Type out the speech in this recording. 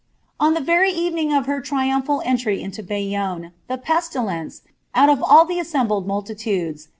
On Ihe very evening of her iriumplial eniiy litt Bayonne, the peatilenee^ nut of all the assembled muhitnd^v.